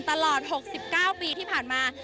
ตลอด๖๙ปีที่ผ่านมา